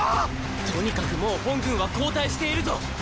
とにかくもう本軍は後退しているぞ！